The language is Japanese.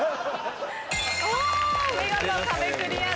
お見事壁クリアです。